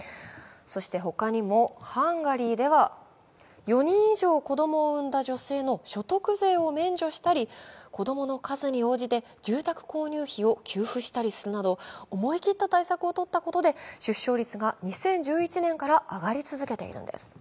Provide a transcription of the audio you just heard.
ほかにもハンガリーでは４人以上子供を産んだ女性の所得税を免除したり、子供の数に応じて住宅購入費を給付したりするなど、思い切った対策をとったことで出生率が２０１１年から上がり続けているんです。